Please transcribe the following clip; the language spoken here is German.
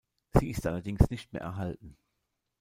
Sie ist allerdings nicht mehr erhalten.